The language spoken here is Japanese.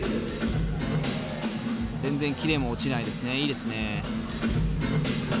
全然キレも落ちないですねいいですね。